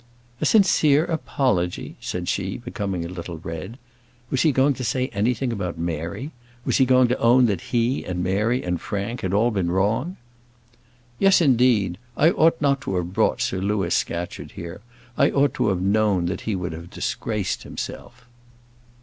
"A sincere apology!" said she, becoming a little red. Was he going to say anything about Mary? Was he going to own that he, and Mary, and Frank had all been wrong? "Yes, indeed. I ought not to have brought Sir Louis Scatcherd here: I ought to have known that he would have disgraced himself."